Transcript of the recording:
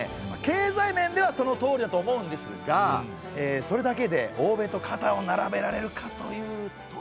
経済面ではそのとおりだと思うんですがそれだけで欧米と肩を並べられるかというと。